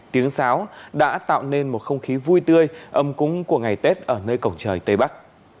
tiếng sáo đã tạo nên một không khí vui tươi ấm cúng của ngày tết ở nơi cổng trời tây bắc